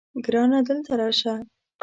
ګرانه دلته راشه